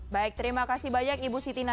baik terima kasih banyak ibu siti nadia